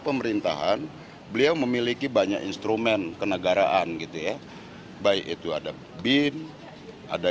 pemerintahan beliau memiliki banyak instrumen kenegaraan gitu ya baik itu ada bin ada